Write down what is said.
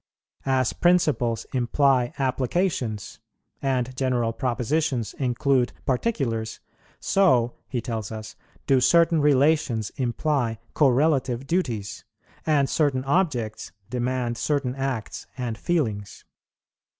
As principles imply applications, and general propositions include particulars, so, he tells us, do certain relations imply correlative duties, and certain objects demand certain acts and feelings.